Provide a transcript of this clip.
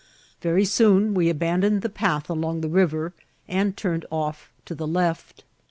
Very soon we abandoned the path along the riveri and turned off to the left.